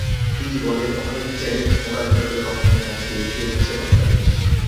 তিনি বলেন, অনেক চ্যালেঞ্জ মোকাবিলা করে রপ্তানি বাণিজ্যে এগিয়ে যাচ্ছে বাংলাদেশ।